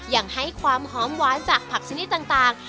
ยังให้ความหอมหวานจากผักชนิดต่าง